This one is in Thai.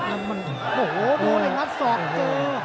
โอ้โหดูเลยครับสอกเจอ